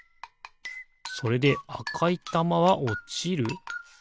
それであかいたまはおちる？